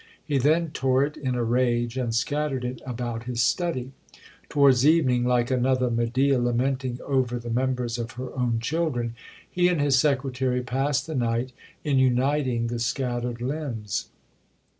He then tore it in a rage, and scattered it about his study. Towards evening, like another Medea lamenting over the members of her own children, he and his secretary passed the night in uniting the scattered limbs.